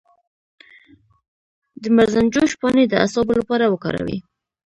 د مرزنجوش پاڼې د اعصابو لپاره وکاروئ